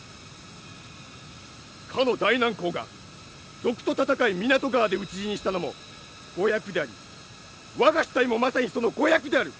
かの大楠公が賊と戦い湊川で討ち死にしたのも５００であり我が支隊もまさにその５００である！